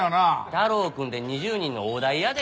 太郎くんで２０人の大台やで！